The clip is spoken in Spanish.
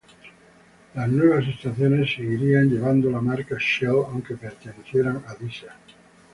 Las nuevas estaciones seguirían llevando la marca Shell aunque pertenecieran a Disa.